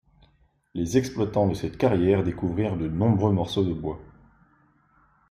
Les exploitants de cette carrière découvrirent de nombreux morceaux de bois.